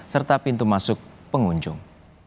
serta pintu masuk pengunjung